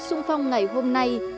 xung phong ngày hôm nay